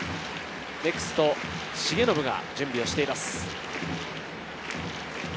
ネクスト、重信が準備をしています。